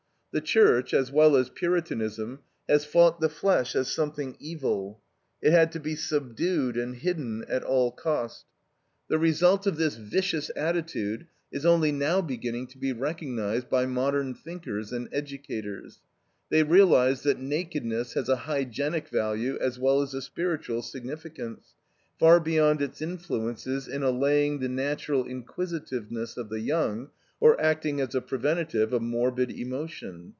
The Church, as well as Puritanism, has fought the flesh as something evil; it had to be subdued and hidden at all cost. The result of this vicious attitude is only now beginning to be recognized by modern thinkers and educators. They realize that "nakedness has a hygienic value as well as a spiritual significance, far beyond its influences in allaying the natural inquisitiveness of the young or acting as a preventative of morbid emotion.